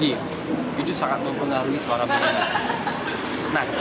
itu sangat mempengaruhi suara beliau